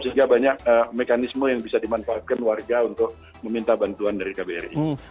sehingga banyak mekanisme yang bisa dimanfaatkan warga untuk meminta bantuan dari kbri